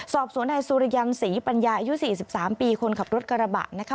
สอบสวนนายสุริยันศรีปัญญาอายุ๔๓ปีคนขับรถกระบะนะคะ